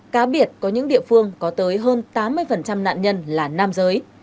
cá biệt có những địa phương có tới hơn tám mươi nạn nhân là nam giới